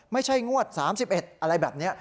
ไม่ใช่งวด๓๑อะไรแบบนี้